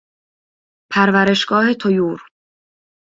پرورشگاه طیور